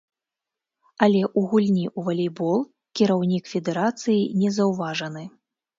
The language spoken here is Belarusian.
Але ў гульні ў валейбол кіраўнік федэрацыі не заўважаны.